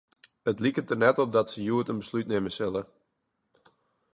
It liket der net op dat se hjoed in beslút nimme sille.